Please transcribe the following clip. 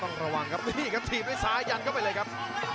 ต้องระวังครับนี่ครับถีบด้วยซ้ายยันเข้าไปเลยครับ